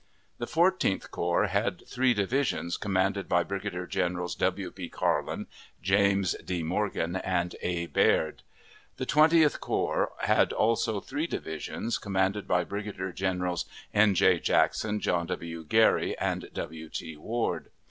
The Fourteenth Corps had three divisions, commanded by Brigadier Generals W. P. Carlin, James D. Morgan, and A. Baird. The Twentieth Corps had also three divisions, commanded by Brigadier Generals N. J. Jackson, John W. Geary, and W. T. Ward.